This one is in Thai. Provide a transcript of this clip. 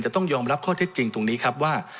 ต้องยอมรับข้อเท็จจริงตรงนี้ครับว่า